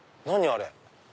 あれ。